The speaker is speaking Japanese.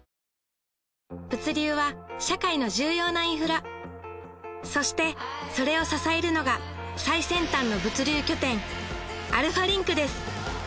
物流は社会の重要なインフラそしてそれを支えるのが最先端の物流拠点アルファリンクです